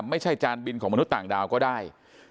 จานบินของมนุษย์ต่างดาวก็ได้